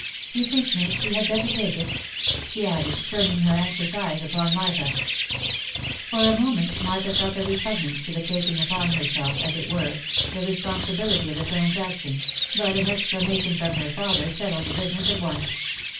You think, miss, he had better take it?" she added, turning her anxious eyes upon Martha. For a moment Martha felt a repugnance to the taking upon herself, as it were, the responsibility of the transaction, but an exclamation from her father settled the business at once.